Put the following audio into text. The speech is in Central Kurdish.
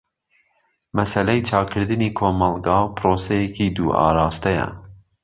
مەسەلەی چاکردنی کۆمەلگا پرۆسەیەکی دوو ئاراستەیە.